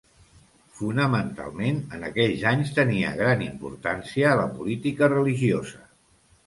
Fonamentalment, en aquells anys, tenia gran importància la política religiosa.